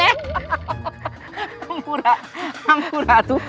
ampun pak bisik